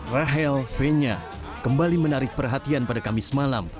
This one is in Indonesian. rahel fenya kembali menarik perhatian pada kamis malam